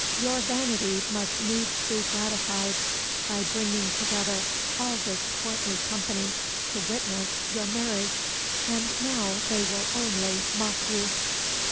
Your vanity must needs be gratified by bringing together all this courtly company to witness your marriage. And now they will only mock you."